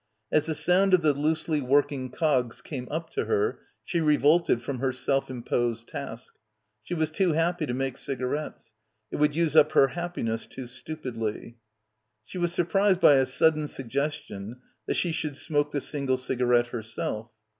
As the sound of the loosely working cogs came up to her she revolted from her self imposed task. She was too happy to make cigarettes. It would use up her happiness too stupidly. She was surprised by a sudden suggestion that she should smoke the single cigarette herself.